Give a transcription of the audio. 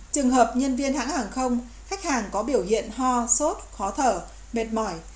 trường hợp nhân viên hãng hàng không khách hàng có biểu hiện ho sốt khó thở mệt mỏi